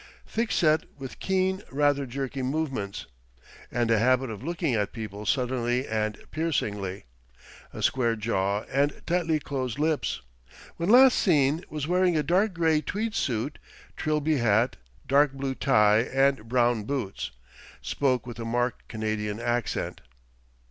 Thick set with keen, rather jerky movements, and a habit of looking at people suddenly and piercingly. A square jaw and tightly closed lips. When last seen was wearing a dark grey tweed suit, trilby hat, dark blue tie and brown boots. Spoke with a marked Canadian accent.